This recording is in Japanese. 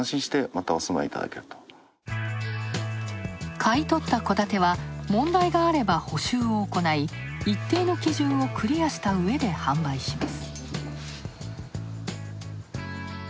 買い取った戸建ては、問題があれば補修を行い一定の基準をクリアしたうえで販売します。